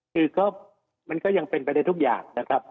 คือก็มันก็ยังเป็นไปได้ทุกอย่างนะครับ